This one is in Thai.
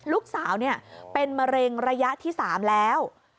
ลูกสาวเป็นมะเร็งระยะที่๓แล้ว